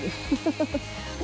ハハハハ。